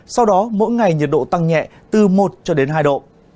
sau đó mỗi ngày nhiệt độ tăng nhẹ từ một hai độ